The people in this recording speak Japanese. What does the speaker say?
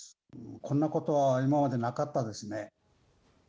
こんなことは今までなかったですね。